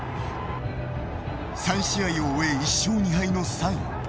３試合を終え、１勝２敗の３位。